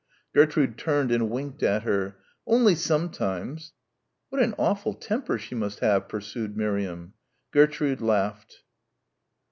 Gertrude turned and winked at her. "Only sometimes." "What an awful temper she must have," pursued Miriam. Gertrude laughed.